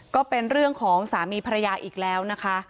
ก็เป็นเรื่องของสามีภรรยาอีกแล้วนะคะ